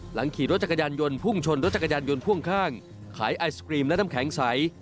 ขี่รถจักรยานยนต์พุ่งชนรถจักรยานยนต์พ่วงข้างขายไอศกรีมและน้ำแข็งใส